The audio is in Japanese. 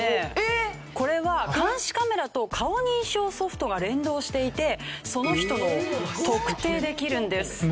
これは監視カメラと顔認証ソフトが連動していてその人の特定できるんです。